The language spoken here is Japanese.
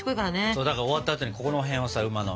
そうだから終わったあとにここの辺をさ馬の。